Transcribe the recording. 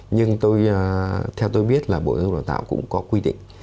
nhưng theo tôi biết là bộ giáo dục và đào tạo cũng có quy định